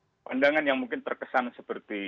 memang ini satu pandangan yang mungkin terkesan seperti